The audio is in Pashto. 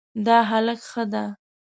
دا هلک ښه ده